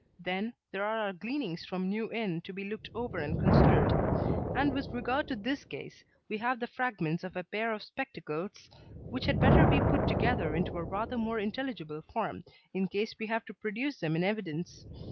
Then there are our gleanings from New Inn to be looked over and considered; and with regard to this case, we have the fragments of a pair of spectacles which had better be put together into a rather more intelligible form in case we have to produce them in evidence.